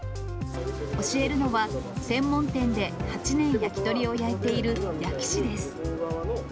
教えるのは、専門店で８年焼き鳥を焼いている、焼き師です。